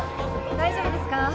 大丈夫ですか？